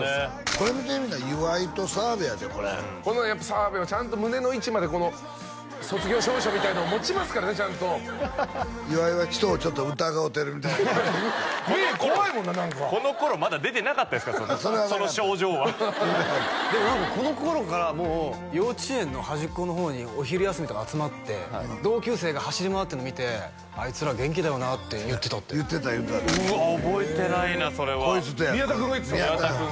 これ見てみいな岩井と澤部やでこれもやっぱ澤部はちゃんと胸の位置までこの卒業証書みたいなのを持ちますからねちゃんと岩井は人をちょっと疑うてるみたい目怖いもんな何かこの頃まだ出てなかったですからその症状はでも何かこの頃からもう幼稚園の端っこの方にお昼休みとか集まって同級生が走り回ってるの見てあいつら元気だよなって言ってたって言ってた言うてたでうわ覚えてないなそれは宮田君が言ってたんですか？